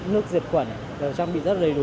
nước diệt quẩn trang bị rất đầy đủ